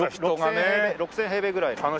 ６０００平米ぐらいの。